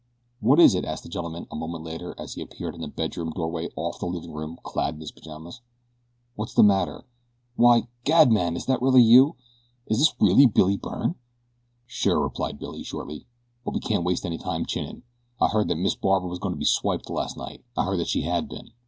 "What is it?" asked the gentleman a moment later as he appeared in a bedroom doorway off the living room clad in his pajamas. "What's the matter? Why, gad man, is that you? Is this really Billy Byrne?" "Sure," replied Byrne shortly; "but we can't waste any time chinnin'. I heard that Miss Barbara was goin' to be swiped last night I heard that she had been.